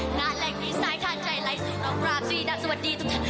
หน้าแหล่งนี้สายท่านใจไหลสื่อของรามสวีนักสวัสดีทุกท่าน